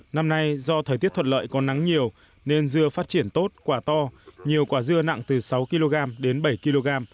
năm nay do thời tiết thuật lợi có nắng nhiều nên dưa phát triển tốt quả to nhiều quả dưa nặng từ sáu kg đến bảy kg